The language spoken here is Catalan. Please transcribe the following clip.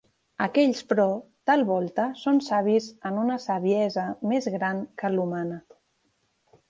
Aquells, però, tal volta són savis en una saviesa més gran que l'humana;